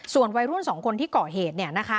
ส่วนวัยร่วม๒คนที่เกาะเหตุ